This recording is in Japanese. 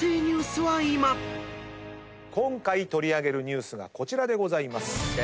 今回取り上げるニュースがこちらでございます。